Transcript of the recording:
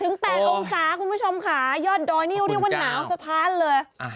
๘องศาคุณผู้ชมค่ะยอดดอยนี่เรียกว่าหนาวสะท้านเลย